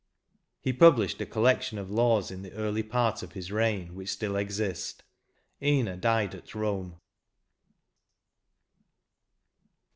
He published a collection of laws in the early part of his reign, which still exist ; Ina died at Kome.